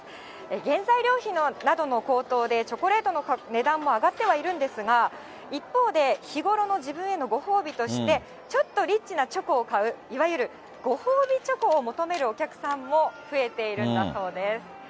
原材料費などの高騰で、チョコレートの値段も上がってはいるんですが、一方で、日頃の自分へのご褒美として、ちょっとリッチなチョコを買う、いわゆるご褒美チョコを求めるお客さんも増えているんだそうです。